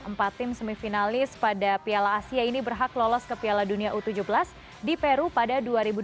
empat tim semifinal pada piala asia ini berhak lolos ke piala dunia u tujuh belas di peru pada dua ribu dua puluh